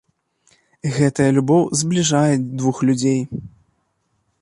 Гэтая любоў збліжае двух людзей.